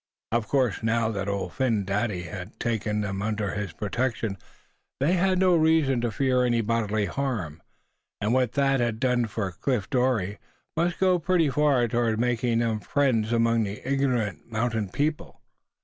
Of course, now that Old Phin Dady had taken them under his protection, they had no reason to fear any bodily harm. And what Thad had done for Cliff Dorie must go pretty far toward making them friends among the ignorant mountain people.